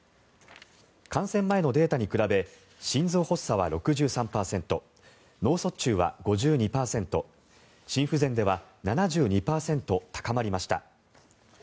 感染前のデータに比べ心臓発作は６３％脳卒中は５２％心不全では７２％高まりました。